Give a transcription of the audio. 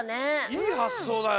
いいはっそうだよ。